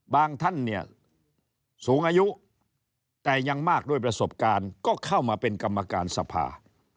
ท่านเนี่ยสูงอายุแต่ยังมากด้วยประสบการณ์ก็เข้ามาเป็นกรรมการสภา